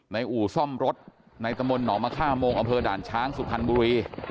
ในอู่ซ่อมรถในตะมนต์หนอมาฆ่าโมงอด่านช้างสุพรรณบุรี